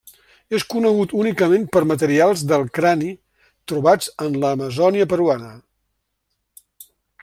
És conegut únicament per materials del crani trobats en l'Amazònia peruana.